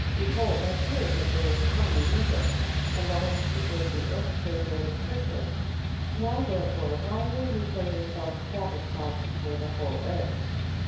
Behold I hear that there is corn in Egypt and all the people of the earth go there to purchase, nov; there fore why will you show yourselves satisfied before the whole earth?